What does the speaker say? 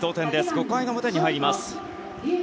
５回の表に入ります。